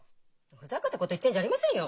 ふざけたこと言ってんじゃありませんよ。